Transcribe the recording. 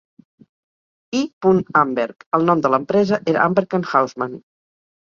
I. Amberg, el nom de l'empresa era Amberg and Houseman.